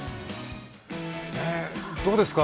どうですか？